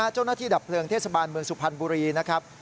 เจ้าหน้าที่ดับเพลิงเทศบาลเมืองสุพรรณบุรีนะครับ